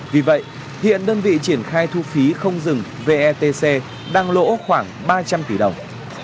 vì vậy hiện đơn vị triển khai thu phí không dừng vetc đang lỗ khoảng ba trăm linh tỷ đồng